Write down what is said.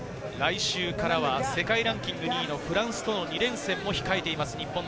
来週からは世界ランキング２位のフランスとの２連戦が控えています。